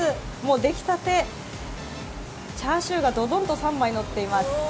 できたて、チャーシューがドドンと３枚のっています。